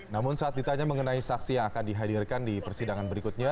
namun saat ditanya mengenai saksi yang akan dihadirkan di persidangan berikutnya